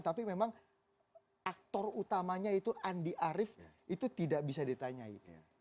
tapi memang aktor utamanya itu andi arief itu tidak bisa ditanyai